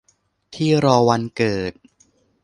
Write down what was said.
ที่รอวันเกิด